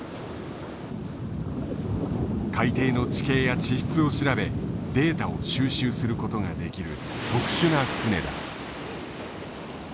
海底の地形や地質を調べデータを収集することができる特殊な船だ。